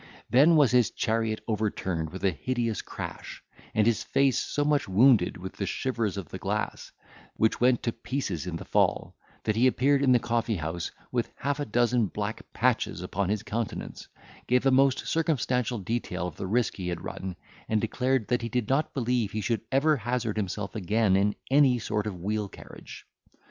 Then was his chariot overturned with a hideous crash, and his face so much wounded with the shivers of the glass, which went to pieces in the fall, that he appeared in the coffee house with half a dozen black patches upon his countenance, gave a most circumstantial detail of the risk he had run, and declared, that he did not believe he should ever hazard himself again in any sort of wheel carriage.